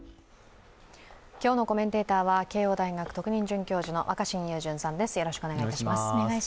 今日のコメンテーターは慶応大学特任准教授の若新雄純さんです。